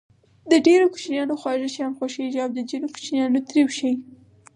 د ډېرو کوچنيانو خواږه شيان خوښېږي او د ځينو کوچنيانو تريؤ شی.